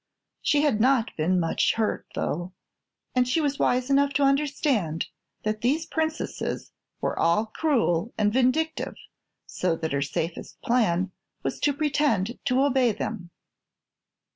She had not been much hurt, though, and she was wise enough to understand that these Princesses were all cruel and vindictive, so that her safest plan was to pretend to obey them.